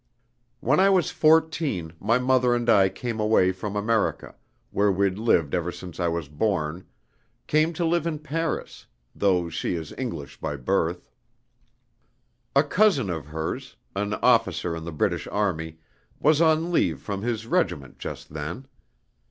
When I was fourteen my mother and I came away from America, where we'd lived ever since I was born, came to live in Paris, though she is English by birth. A cousin of hers, an officer in the British army, was on leave from his regiment just then.